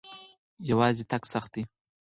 یوازې تګ سخت دی.